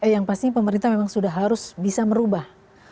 yang pasti pemerintah memang sudah harus bisa merubah